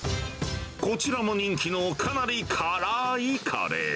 こちらも人気のかなり辛いカレー。